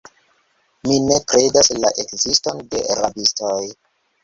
Mi ne kredas la ekziston de rabistoj.